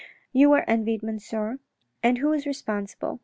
You are envied, Monsieur, and who is responsible